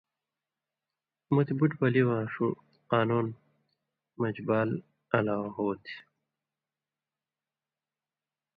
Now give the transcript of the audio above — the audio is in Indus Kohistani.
مُتیۡ بُٹیۡ بلی واں ݜُو قانُون مَن٘ژ بال الاؤ ہو تھی۔